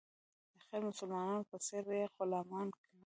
د غیر مسلمانانو په څېر یې غلامان کوي.